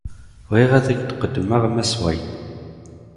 Bɣiɣ ad ak-d-qeddmeɣ Mass White.